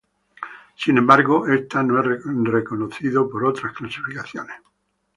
Sin embargo esto no es reconocido por otras clasificaciones.